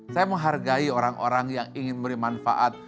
saya menghargai orang orang yang ingin memberi manfaat